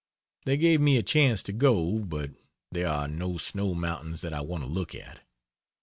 They gave me a chance to go, but there are no snow mountains that I want to look at.